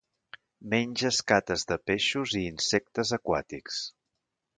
Menja escates de peixos i insectes aquàtics.